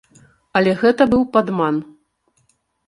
Але гэта быў падман.